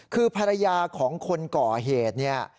คือภรรยาของคนก่อเหตุเนี่ย